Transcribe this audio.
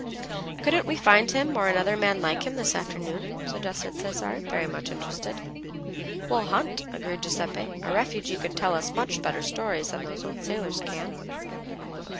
"Couldn't we find him or another like him, this afternoon?" suggested Cesare, very much interested. "We'll hunt," agreed Giuseppe. "A refugee could tell us much better stories than those old sailors can."